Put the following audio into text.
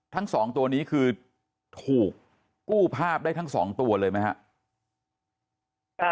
ทั้งสองตัวนี้คือถูกกู้ภาพได้ทั้งสองตัวเลยไหมครับ